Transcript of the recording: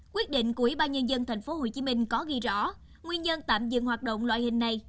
quyết định của ubnd tp hcm có ghi rõ nguyên nhân tạm dừng hoạt động loại hình này